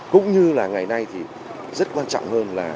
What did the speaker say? cũng như là ngày nay thì rất quan trọng hơn là